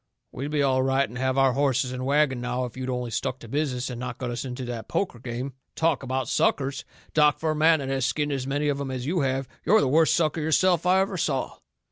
"We'd be all right and have our horses and wagon now if you'd only stuck to business and not got us into that poker game. Talk about suckers! Doc, for a man that has skinned as many of 'em as you have, you're the worst sucker yourself I ever saw."